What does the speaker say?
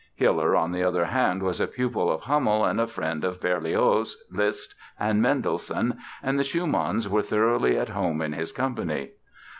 Hiller, on the other hand, was a pupil of Hummel and a friend of Berlioz, Liszt and Mendelssohn and the Schumanns were thoroughly at home in his company.